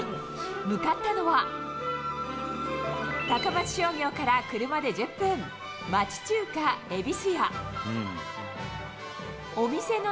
向かったのは、高松商業から車で１０分、町中華えびす屋。